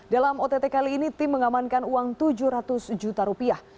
dalam ott kali ini tim mengamankan uang tujuh ratus juta rupiah